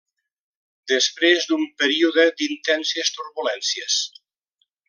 Després d'un període d'intenses turbulències.